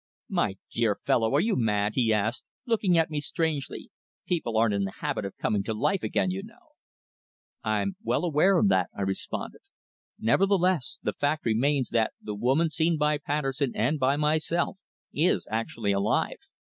"My dear fellow, are you mad?" he asked, looking at me strangely. "People aren't in the habit of coming to life again, you know." "I'm well aware of that," I responded. "Nevertheless, the fact remains that the woman seen by Patterson and by myself is actually alive.